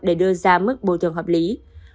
để đưa ra mức bồi thường hợp lý